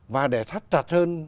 và để sắt chặt hơn